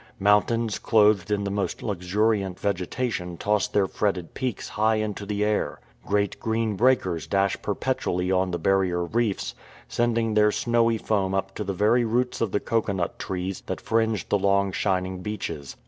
IMountains clothed in the most luxuriant vegetation toss their fretted peaks high into the air. Great green breakers dash perpetually on the barrier reefs, sending their snowy foam up to the very roots of the cocoanut trees that fringe the long shining beaches.